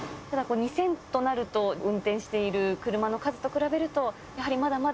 ２０００となると、運転している車の数と比べると、やはりまだまだ？